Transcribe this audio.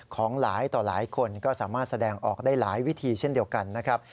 ของหลายต่อหลายคนก็สามารถแสดงออกได้หลายวิธีเช่นเดียวกันนะครับ